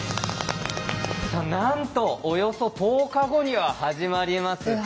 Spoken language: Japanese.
なんとおよそ１０日後には始まります